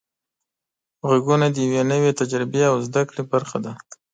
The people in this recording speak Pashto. غږونه د یوې نوې تجربې او زده کړې برخه ده.